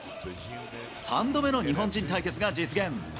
３度目の日本人対決が実現。